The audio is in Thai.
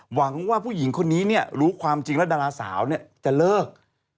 หวังว่าผู้หญิงคนนี้รู้ความจริงแล้วดาราสาวจะเลิก